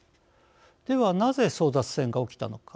では、なぜ争奪戦が起きたのか。